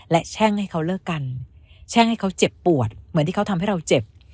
และแช่งให้เขาเลิกกันแช่งให้เขาเจ็บปวดเหมือนที่เขาทำให้เราเจ็บ